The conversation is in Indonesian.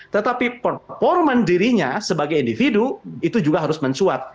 tetapi performance dirinya sebagai individu itu juga harus mensuat